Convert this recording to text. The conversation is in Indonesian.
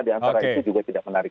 diantara itu juga tidak menarik